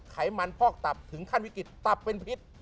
ไขมันพอกตับถึงขั้นวิกฤตตับเป็นพิษ